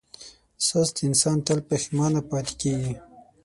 سست انسان تل پښېمانه پاتې کېږي.